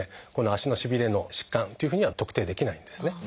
足のしびれの疾患っていうふうには特定できないんですね。